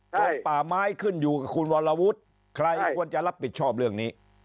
กรมป่าไม้ขึ้นอยู่กับคุณวรวุฒิใครควรจะรับผิดชอบเรื่องนี้